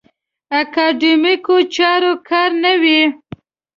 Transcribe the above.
اکاډیمیکو چارو کار نه وي.